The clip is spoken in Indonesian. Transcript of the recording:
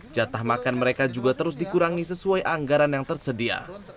jatah makan mereka juga terus dikurangi sesuai anggaran yang tersedia